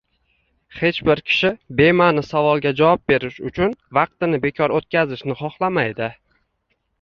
Hech bir kishi bema’ni savolga javob berish uchun vaqtini bekor o’tkazishni xohlamaydi